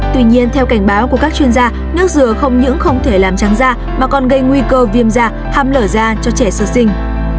tuy nhiên theo cảnh báo của các chuyên gia nước dừa không những không thể làm trắng da mà còn gây nguy cơ viêm da ham lở da cho trẻ sơ sinh